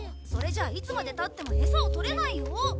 それじゃあいつまで経ってもエサを取れないよ。